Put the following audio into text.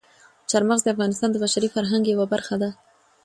چار مغز د افغانستان د بشري فرهنګ یوه برخه ده.